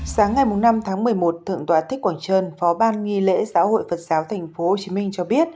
sáng ngày năm một mươi một thượng tòa thích quảng trân phó ban nghị lễ giáo hội phật giáo tp hcm cho biết